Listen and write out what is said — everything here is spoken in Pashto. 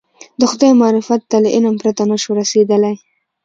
د خدای معرفت ته له علم پرته نه شو رسېدلی.